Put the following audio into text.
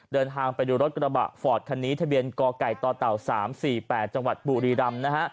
เดินทางไปดูรถกระบะฟอร์ดคันนี้ทะเบียนกไก่ต่อเต่า๓๔๘จังหวัดบุรีรำนะฮะ